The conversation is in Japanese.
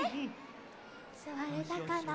すわれたかな？